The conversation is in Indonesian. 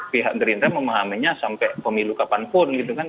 pihak gerindra memahaminya sampai pemilu kapanpun gitu kan